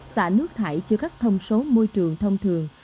xã nước thải chứa các thông số môi trường thông thường